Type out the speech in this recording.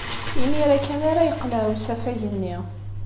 Imir-a kan ara yeqleɛ usafag-nni.